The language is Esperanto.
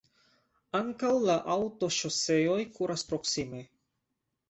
Ankaŭ la aŭtoŝoseoj kuras proksime.